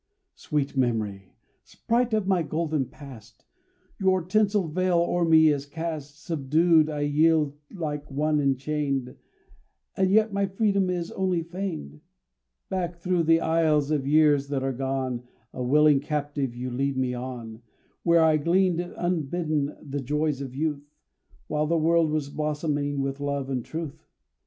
Sweet Memory! sprite of my golden past! Your tinseled veil o'er me is cast; Subdued I yield like one enchained, And yet my freedom is only feigned; Back through the aisles of years that are gone, A willing captive you lead me on, Where I gleaned unbidden the joys of youth While the world was blossoming with love and truth.